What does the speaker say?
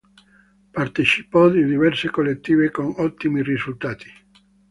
Partecipò a diverse collettive con ottimi risultati.